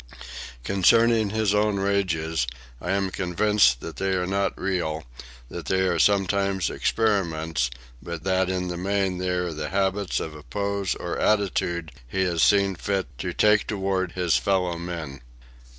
Concerning his own rages, I am convinced that they are not real, that they are sometimes experiments, but that in the main they are the habits of a pose or attitude he has seen fit to take toward his fellow men.